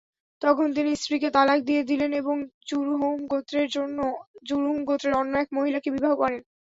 তখন তিনি স্ত্রীকে তালাক দিয়ে দিলেন এবং জুরহুম গোত্রের অন্য এক মহিলাকে বিবাহ করেন।